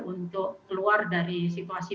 untuk keluar dari situasi